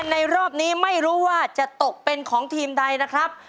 ในรอบนี้ไม่รู้ว่าจะตกเป็นของทีมใดนะครับ